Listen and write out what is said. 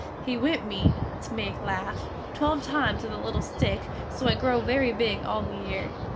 He whip me (to make laugh) twelve times with a little stick so I grow very big all the year.